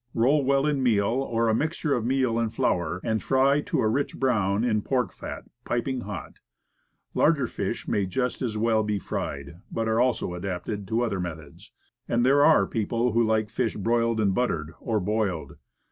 Roll well in meal, or a mixture of meal and flour, and fry to a rich brown in pork fat, piping hot. Larger fish may just as well be fried, but are also adapted to other methods, and there are people who like fish broiled and buttered, or boiled.